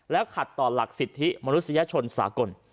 ขัดต่อหลักสิทธิมนุษยชนสากล